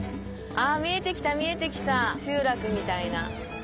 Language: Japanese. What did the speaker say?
見えてきた見えてきた集落みたいな。